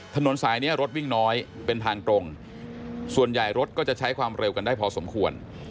ถนนสายนี้รถวิ่งน้อยเป็นทางตรงส่วนใหญ่รถก็จะใช้ความเร็วกันได้พอสมควร